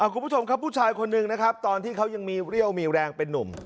คุณผู้ชมครับผู้ชายคนหนึ่งนะครับตอนที่เขายังมีเรี่ยวมีแรงเป็นนุ่ม